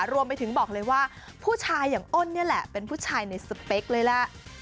บอกเลยว่าผู้ชายอย่างอ้นนี่แหละเป็นผู้ชายในสเปคเลยแหละ